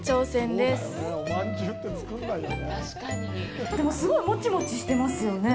でも、すごいもちもちしてますよね